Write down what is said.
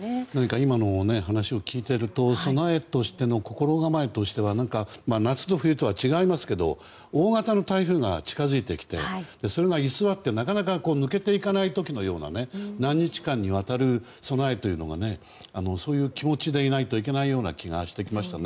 今の話を聞いていると備えとしての心構えとしては夏と冬とは違いますが大型の台風が近づいてきてそれが居座って、なかなか抜けていかない時のような何日間にわたる備えというのがそういう気持ちでいないといけない気がしてきましたね。